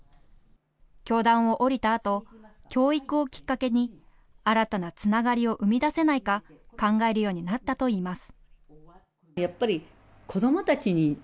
教壇を降りたあと教育をきっかけに新たなつながりを生み出せないか考えるようになったといいます。